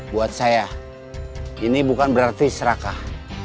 buat saya ini bukan berarti serakah